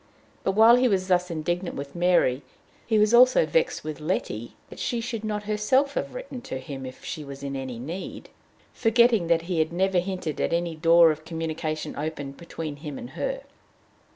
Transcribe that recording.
But, while he was thus indignant with Mary, he was also vexed with Letty that she should not herself have written to him if she was in any need, forgetting that he had never hinted at any door of communication open between him and her.